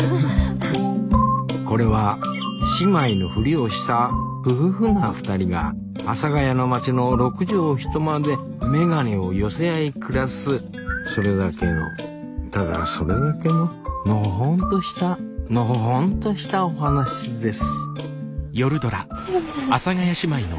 これは姉妹のフリをしたふふふな２人が阿佐ヶ谷の町の６畳一間で眼鏡を寄せ合い暮らすそれだけのただそれだけののほほんとしたのほほんとしたお話です